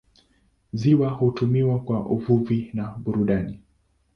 Ziwa hutumiwa kwa uvuvi na burudani.